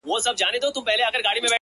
زلفي راټال سي گراني،